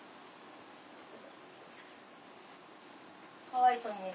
かわいそうに。